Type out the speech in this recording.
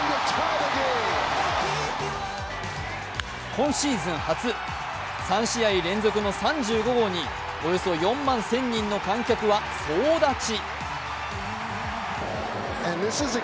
今シーズン初、３試合連続の３５号におよそ４万１０００人の観客は総立ち。